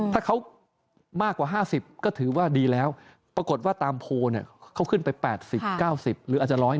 ถ้าเขามากกว่า๕๐ก็ถือว่าดีแล้วปรากฏว่าตามโพลเขาขึ้นไป๘๐๙๐หรืออาจจะ๑๕๐